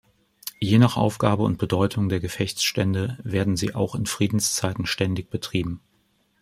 Je nach Aufgabe und Bedeutung der Gefechtsstände werden sie auch in Friedenszeiten ständig betrieben.